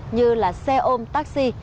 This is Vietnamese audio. như là xe ôm taxi